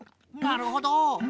なるほど。